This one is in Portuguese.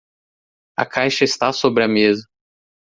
A caixa está sobre a mesa.